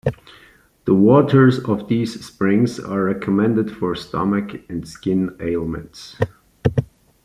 The waters of these springs are recommended for stomach and skin ailments.